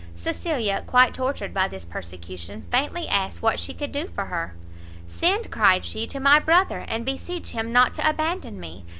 Cecilia, quite tortured by this persecution, faintly asked what she could do for her? "Send," cried she, "to my brother, and beseech him not to abandon me!